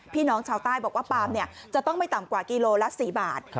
พี่น้องชาวใต้บอกว่าปาล์มจะต้องไม่ต่ำกว่ากิโลละ๔บาท